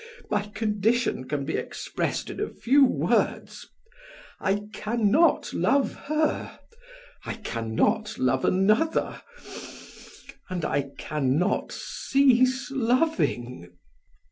My condition can be expressed in a few words: I can not love her, I can not love another, and I can not cease loving."